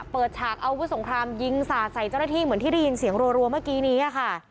ฉากอาวุธสงครามยิงสาดใส่เจ้าหน้าที่เหมือนที่ได้ยินเสียงรัวเมื่อกี้นี้ค่ะ